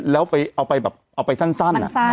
แล้วเอาไปแบบเอาไปสั้น